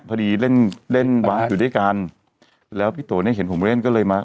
พอดีเล่นเล่นอยู่ด้วยกันแล้วพี่โตเนี่ยเห็นผมเล่นก็เลยมา